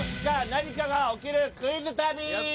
何かが起きるクイズ旅」。